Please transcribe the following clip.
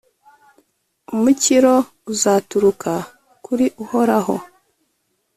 umukiro uzaturuka kuri Uhoraho,